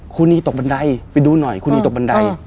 ครูนีตกบันไดไปดูหน่อยครูนีตกบันได